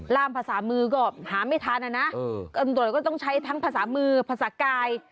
ล่ามภาษามือก็หาไม่ทันนะตำรวจก็ต้องใช้ทั้งภาษามือภาษากาย